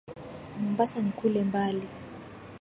Mombasa ni kule mbali.